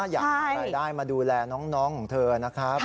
อยากหารายได้มาดูแลน้องของเธอนะครับ